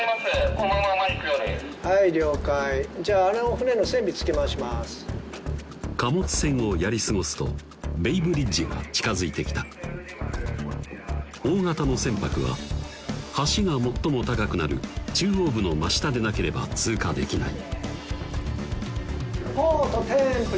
このまま行くよりはい了解じゃああの船の船尾つけ回します貨物船をやり過ごすとベイブリッジが近づいてきた大型の船舶は橋が最も高くなる中央部の真下でなければ通過できない